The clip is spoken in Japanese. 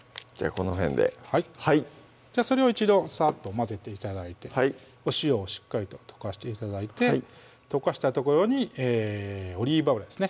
この辺ではいそれを一度さっと混ぜて頂いてはいお塩をしっかりと溶かして頂いて溶かしたところにオリーブ油ですね